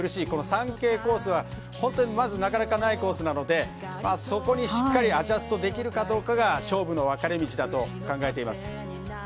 この３Ｋコースはなかなかないコースなのでそこにしっかりアジャストできるかどうかが勝負の分かれ道だと考えています。